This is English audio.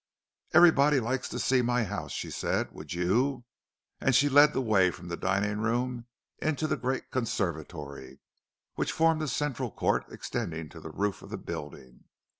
"Everybody likes to see my house," she said. "Would you?" And she led the way from the dining room into the great conservatory, which formed a central court extending to the roof of the building.